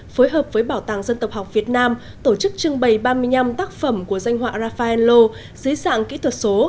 phối hợp với bảo tàng dân tộc học việt nam tổ chức trưng bày ba mươi năm tác phẩm của danh họa rafaello dưới dạng kỹ thuật số